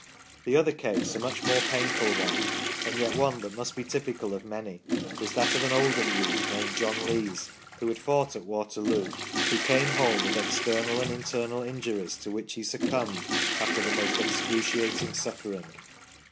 The other case, a much more painful one, and yet one that must be typical of many, was that of an Oldham youth named John Lees, who had fought at Waterloo, who came home with external and internal injuries to which he succumbed after the most excruciating suffering.